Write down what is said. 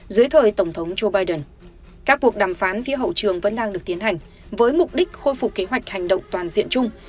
dưới thời tổng thống joe biden các cuộc đàm phán phía hậu trường vẫn đang được tiến hành với mục đích khôi phục kế hoạch hành động toàn diện chung